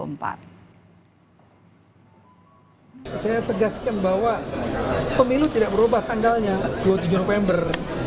saya tegaskan bahwa pemilu tidak berubah tanggalnya dua puluh tujuh november